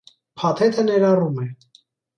Փաթեթը ներառում է։